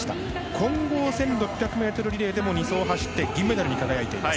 混合１６００ｍリレーでも２走を走って銀メダルに輝いています。